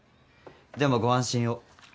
でもご安心を。